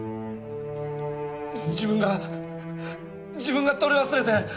自分が自分が取り忘れて